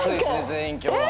全員今日は。